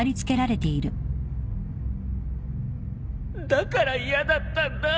だから嫌だったんだ